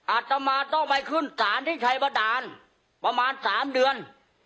อาตมาต้องไปขึ้นศาลที่ชัยบดานประมาณ๓เดือน